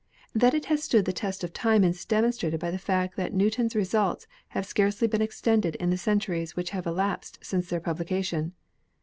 That it has stood the test of time is demon strated by the fact that Newton's results have scarcely been extended in the centuries which have elapsed since their publication.